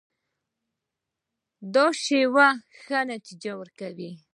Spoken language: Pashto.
دا شیوه ښه نتیجه ورکوي.